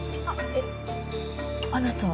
えっあなた。